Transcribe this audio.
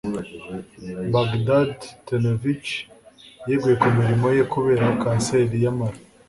Bogdan Tanevich yeguye ku mirimo ye kubera kanseri y'amara.